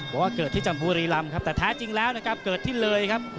บอกว่าเกิดที่จำบุรีรำครับแต่แท้จริงแล้วนะครับเกิดที่เลยครับ